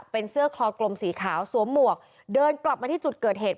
เป็นเสื้อคลอกลมสีขาวสวมหมวกเดินกลับมาที่จุดเกิดเหตุ